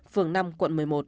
phường năm quận một mươi một